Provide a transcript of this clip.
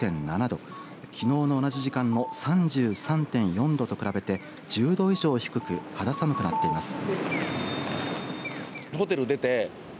きのうの同じ時間の３３．４度と比べて１０度以上低く肌寒くなっています。